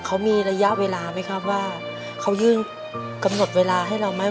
เขามีระยะเวลาไหมครับว่าเขายื่นกำหนดเวลาให้เราไหม